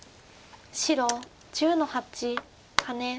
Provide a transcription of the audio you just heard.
白１０の八ハネ。